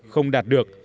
không đạt được